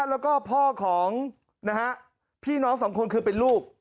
แล้วก็พ่อของนะฮะพี่น้องสองคนคือเป็นลูก